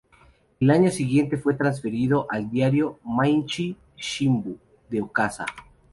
Al año siguiente fue transferido al diario "Mainichi Shimbun" de Osaka.